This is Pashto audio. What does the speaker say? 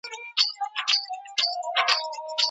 جنګي ټپیان چيري وړل کیږي؟